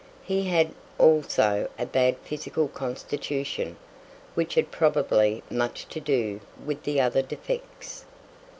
He had also a bad physical constitution, which had probably much to do with the other defects.